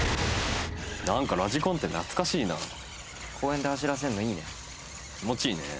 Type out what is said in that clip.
何かラジコンって懐かしいな公園で走らせるのいいね気持ちいいね